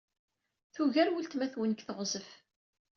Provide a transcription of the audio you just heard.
Tugar weltma-twent deg teɣzef.